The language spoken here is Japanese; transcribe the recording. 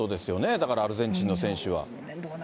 だから、アルゼンチンの選手は。